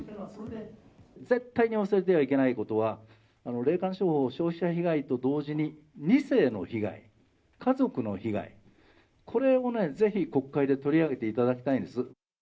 絶対に忘れてはいけないことは、霊感商法と消費者被害と同時に、２世の被害、家族の被害、これをね、ぜひ国会で取り上げていただきたいんです。